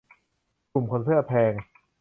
กลุ่มคนเสื้อแพง